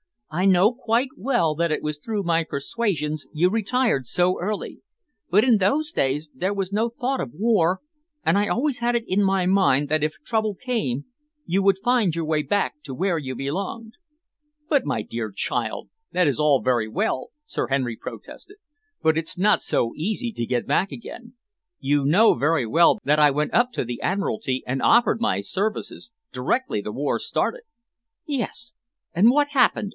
"I know quite well that it was through my persuasions you retired so early, but in those days there was no thought of war, and I always had it in my mind that if trouble came you would find your way back to where you belonged." "But, my dear child, that is all very well," Sir Henry protested, "but it's not so easy to get back again. You know very well that I went up to the Admiralty and offered my services, directly the war started." "Yes, and what happened?"